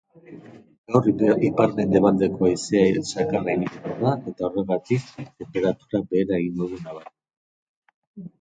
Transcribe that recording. Gaur ipar-mendebaldeko haizea zakarra ibiliko da eta horregatik tenperaturak behera egingo du nabarmen.